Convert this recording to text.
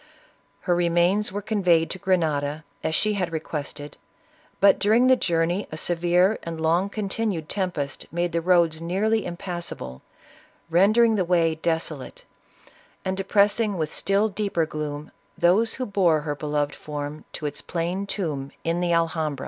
Her remains were conveyed to Grenada, as she had requested, but during the journey a severe and long continued tempest made the roads nearly impassa ble, rendering the way desolate, and depressing with still deeper gloom, those who bore her beloved form to its plain tomb in the Alhambra.